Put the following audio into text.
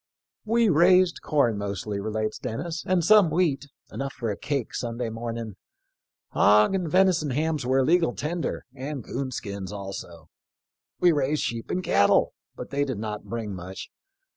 "We raised corn mostly "— relates Dennis —" and some wheat — enough for a cake Sunday morning. Hog and veni son hams were a legal tender, and coon skins also. We raised sheep and cattle, but they did not bring much.